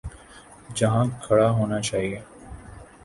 جہاں کھڑا ہونا چاہیے۔